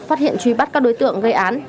phát hiện truy bắt các đối tượng gây án